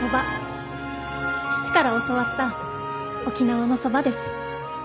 父から教わった沖縄のそばです。